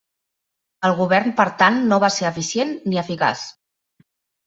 El govern per tant no va ser eficient ni eficaç.